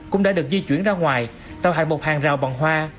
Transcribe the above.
cũng đã được di chuyển ra ngoài tạo hại một hàng rào bằng hoa